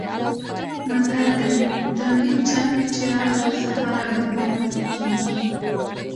متل دی: د هېچا چراغ تر سهاره بل نه پاتې کېږي.